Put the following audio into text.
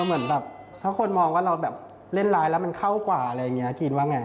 เหมือนแบบถ้าคนมองว่าเราแบบเล่นร้ายแล้วมันเข้ากว่าอะไรอย่างนี้กรีนว่าไง